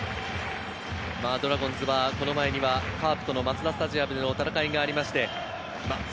ドラゴンズはこの前にはカープとのマツダスタジアムでの戦いがありました。